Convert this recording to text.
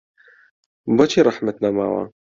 بۆچی ڕەحمت نەماوە